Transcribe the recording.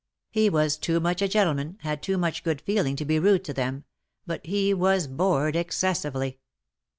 He was too much a gentleman^ had too much good feeling to be rude to them — but he was bored excessively.